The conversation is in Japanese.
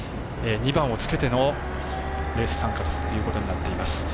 ２番をつけてのレース参加ということになっています。